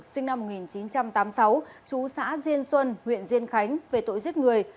sinh năm một nghìn chín trăm tám mươi sáu chú xã diên xuân huyện diên khánh về tội giết người